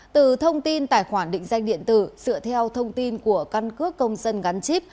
từ thông tin tài khoản định danh điện tử dựa theo thông tin của căn cước công dân gắn chip